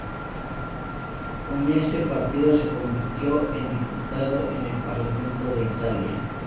Con ese partido se convirtió en diputado en el Parlamento de Italia.